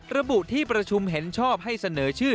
ระบุที่ประชุมเห็นชอบให้เสนอชื่อ